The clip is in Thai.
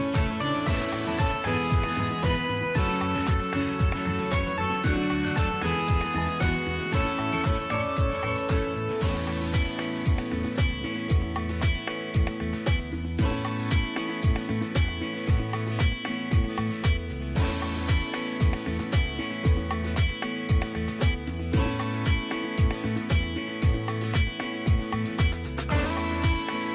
โปรดติดตามตอนต่อไป